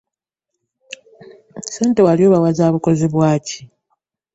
Ssente wali obawa za bukozi bwaki?